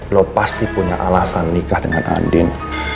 lo pasti punya alasan nikah dengan andin